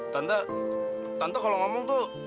tanda tanda kalau ngomong tuh